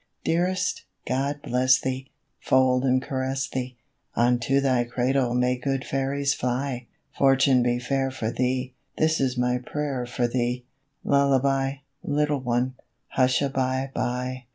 Dearest, God bless thee, Fold and caress thee, Unto thy cradle may good fairies fly! Fortune be fair for thee, This is my prayer for thee, Lullaby, little one, hush a by bye!